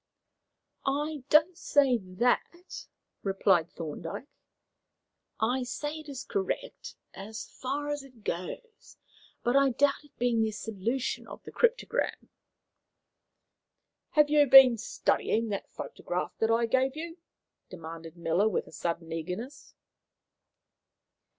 "I don't say that," replied Thorndyke. "I say it is correct as far as it goes; but I doubt its being the solution of the cryptogram." "Have you been studying that photograph that I gave you?" demanded Miller, with sudden eagerness.